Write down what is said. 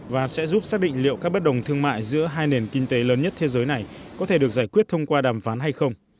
và sẽ giúp xác định liệu các bất đồng thương mại giữa hai nền kinh tế lớn nhất thế giới này có thể được giải quyết thông qua đàm phán hay không